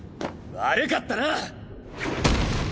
悪かったな！